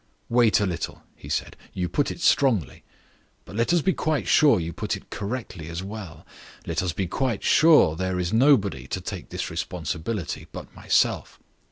"Wait a little!" he said. "You put it strongly; let us be quite sure you put it correctly as well. Let us be quite sure there is nobody to take this responsibility but myself.